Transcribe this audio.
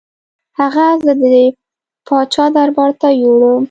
هغه زه د پاچا دربار ته یووړم.